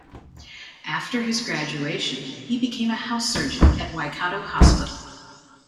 After his graduation he became a house surgeon at Waikato Hospital.